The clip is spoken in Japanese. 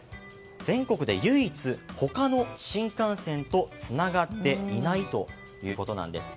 全国で唯一、他の新幹線とつながっていないということなんです。